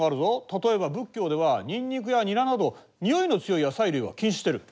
例えば仏教ではニンニクやニラなど臭いの強い野菜類は禁止してる。